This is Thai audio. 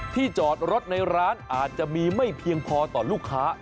จอดรถในร้านอาจจะมีไม่เพียงพอต่อลูกค้า